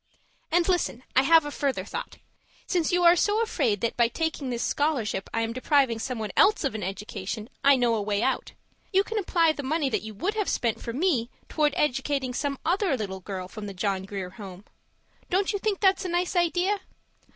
And listen I have a further thought. Since you are so afraid that by taking this scholarship I am depriving someone else of an education, I know a way out. You can apply the money that you would have spent for me towards educating some other little girl from the John Grier Home. Don't you think that's a nice idea?